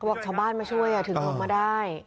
ก็ว่าข้างบ้านมาช่วยถึงทำไมได้